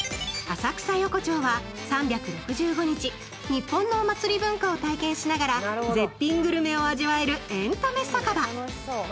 浅草横町は３６５日、日本のお祭り文化を体験しながら絶品グルメを味わえるエンタメ酒場。